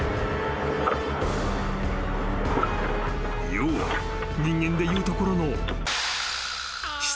［要は人間で言うところの］